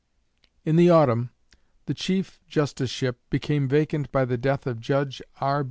In the autumn, the Chief Justiceship became vacant by the death of Judge R.